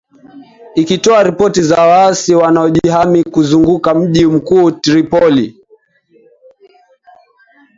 Ikitoa ripoti za waasi wanaojihami kuzunguka mji mkuu Tripoli.